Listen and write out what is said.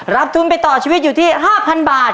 ทุนไปต่อชีวิตอยู่ที่๕๐๐บาท